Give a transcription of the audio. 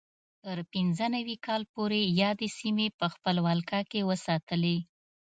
تر پینځه نوي کال پورې یادې سیمې په خپل ولکه کې وساتلې.